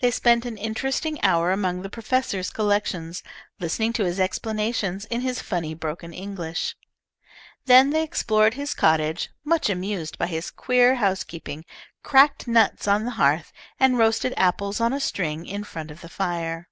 They spent an interesting hour among the professor's collections, listening to his explanations in his funny broken English. Then they explored his cottage, much amused by his queer housekeeping, cracked nuts on the hearth, and roasted apples on a string in front of the fire.